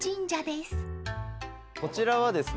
こちらはですね